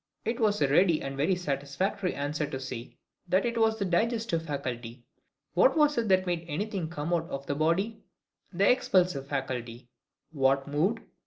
it was a ready and very satisfactory answer to say, that it was the DIGESTIVE FACULTY. What was it that made anything come out of the body? the EXPULSIVE FACULTY. What moved?